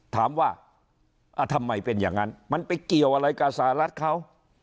ถามว่าทำไมเป็นอย่างนั้นมันไปเกี่ยวอะไรกับสหรัฐเขา